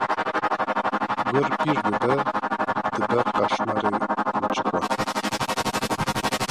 Gur pîr dibe, dibe qeşmerê kûçikan.